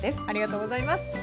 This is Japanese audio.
ありがとうございます。